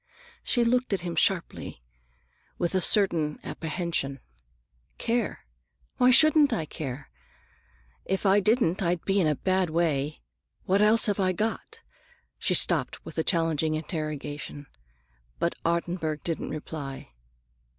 She looked at him sharply, with a certain apprehension. "Care? Why shouldn't I care? If I didn't, I'd be in a bad way. What else have I got?" She stopped with a challenging interrogation, but Ottenburg did not reply.